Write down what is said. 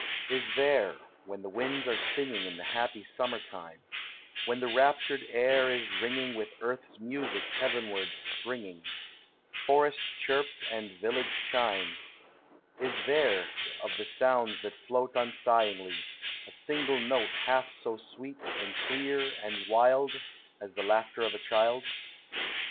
Is there, when the winds are singing In the happy summer time, — When the raptured air is ringing With Earth's music heavenward springing, Forest chirp, and village chime, — Is there, of the sounds that float Unsighingly, a single note Half so sweet and clear ami wild As the laughter of a child?